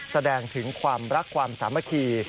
แสดงถึงความรักความสามัคคี